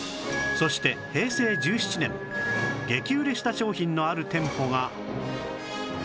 そして平成１７年激売れした商品のある店舗が